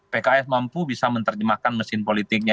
pks mampu bisa menerjemahkan mesin politiknya